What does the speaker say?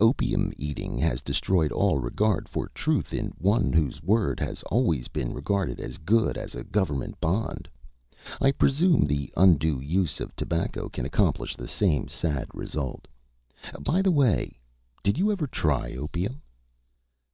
Opium eating has destroyed all regard for truth in one whose word had always been regarded as good as a government bond. I presume the undue use of tobacco can accomplish the same sad result. By the way, did you ever try opium?"